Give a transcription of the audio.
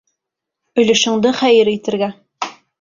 Өлөшөңдө хәйер итергә.